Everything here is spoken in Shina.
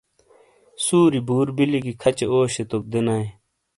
سُوری بُور بلی گی کھچے اوشیے توک دینائیے۔